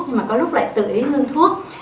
nhưng mà có lúc lại tự ý ngưng thuốc